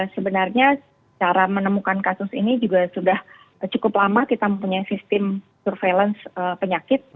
sebenarnya cara menemukan kasus ini juga sudah cukup lama kita mempunyai sistem surveillance penyakit